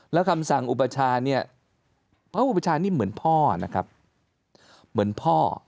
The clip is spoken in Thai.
แล้วคำสั่งอุปชาเนี่ยพระอุปชานี่เหมือนพ่อนะครับเหมือนพ่อ